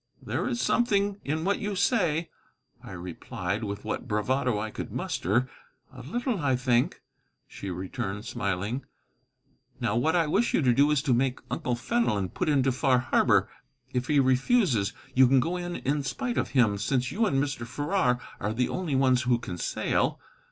"There is something in what you say," I replied, with what bravado I could muster. "A little, I think," she returned, smiling; "now, what I wish you to do is to make Uncle Fenelon put into Far Harbor. If he refuses, you can go in in spite of him, since you and Mr. Farrar are the only ones who can sail.